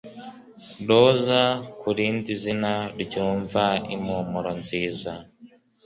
Roza ku rindi zina ryumva impumuro nziza.